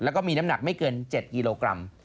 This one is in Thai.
แล้วก็มีน้ำหนักไม่เกิน๗กิโลกรัม